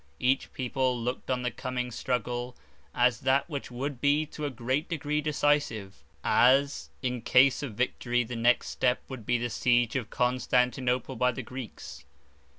Each people looked on the coming struggle as that which would be to a great degree decisive; as, in case of victory, the next step would be the siege of Constantinople by the Greeks.